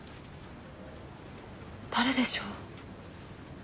誰でしょう？